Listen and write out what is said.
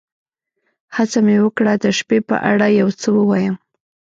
هڅه مې وکړه د شپې په اړه یو څه ووایم.